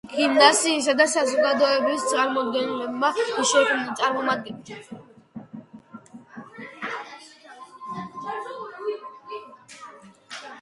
გიმნაზიისა და საზოგადოების წარმომადგენლებმა შექმნეს საკონსულტაციო კომიტეტი.